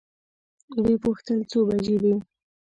وې پوښتل څو بجې دي؟